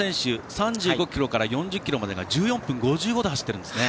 ３５ｋｍから４０ｋｍまでが１４分５５で走っているんですね。